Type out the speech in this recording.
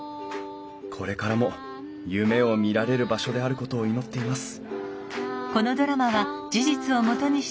これからも夢を見られる場所であることを祈っています